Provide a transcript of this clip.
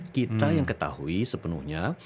kita yang ketahui sepenuhnya